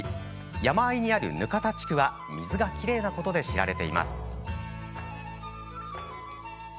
山あいにある額田地区は水がきれいなことで知られています。